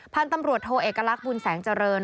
พันธุ์ตำรวจโทเอกลักษณ์บุญแสงเจริญ